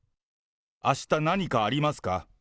あした何かありますか？